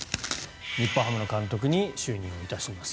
日本ハムの監督に就任します。